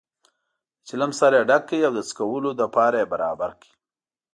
د چلم سر یې ډک کړ او د څکلو لپاره یې برابر کړ.